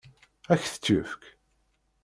Ad k-t-tefk?